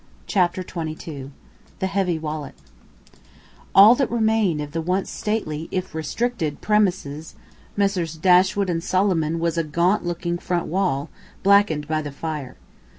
CHAPTER XXII THE HEAVY WALLET All that remained of the once stately, if restricted, premises of Messrs. Dashwood and Solomon was a gaunt looking front wall, blackened by the fire.